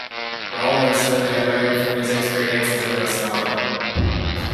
Rawlinson had learned from his experiences on the Somme.